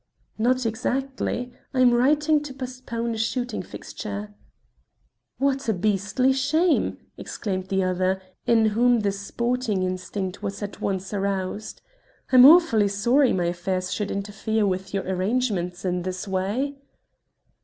"Not exactly. I am wiring to postpone a shooting fixture." "What a beastly shame!" exclaimed the other, in whom the sporting instinct was at once aroused. "I'm awfully sorry my affairs should interfere with your arrangements in this way."